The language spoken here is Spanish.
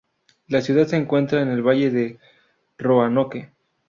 La ciudad se encuentra en el valle de Roanoke.